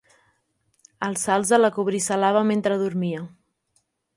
El salze la cobricelava mentre dormia.